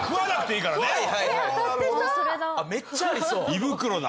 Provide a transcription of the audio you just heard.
胃袋だ。